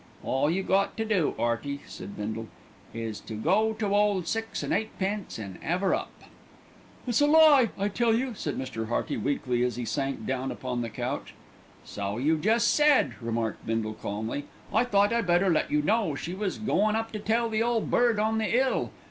"All you got to do, 'Earty," said Bindle, "is to go to ole Six an' Eightpence an' 'ave 'er up." "It's a lie, I tell you," said Mr. Hearty weakly as he sank down upon the couch. "So you jest said," remarked Bindle calmly. "I thought I better let you know she was goin' up to tell the Ole Bird on the 'Ill.